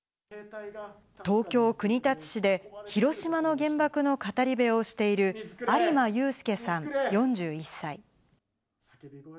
東京・国立市で広島の原爆の語り部をしている有馬佑介さん４１歳。